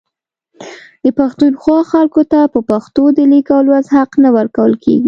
د پښتونخوا خلکو ته په پښتو د لیک او لوست حق نه ورکول کیږي